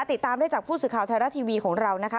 ติดตามได้จากผู้สื่อข่าวไทยรัฐทีวีของเรานะคะ